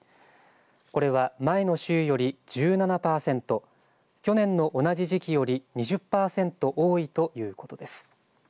これは前の週より１７％、去年の同じ時期より２０％多いということです。